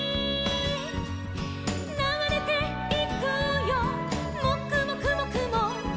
「ながれていくよもくもくもくも」